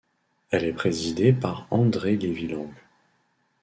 Elle est présidée par André-Lévy Lang.